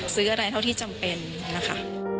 ซื้ออะไรเท่าที่จำเป็นนะคะ